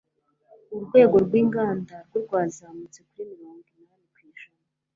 urwego rw'inganda rwo rwazamutse kuri mirongo inani kwijana